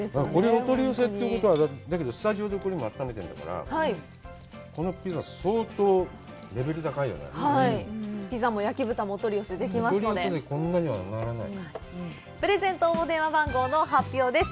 お取り寄せっていうことはだけどスタジオで温めてんだからこのピザ相当レベル高いよねはいピザも焼き豚もお取り寄せできますのでお取り寄せでこんなにはならないプレゼント応募電話番号の発表です